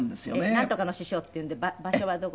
なんとかの師匠っていうんで場所はどこ？